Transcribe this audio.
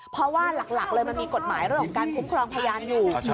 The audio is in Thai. เพราะว่าหลักเลยมันมีกฎหมายเรื่องของการคุ้มครองพยานอยู่